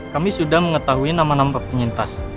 kami sudah mengetahui nama nama penyintas